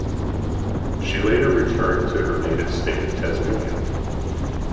She later returned to her native state of Tasmania.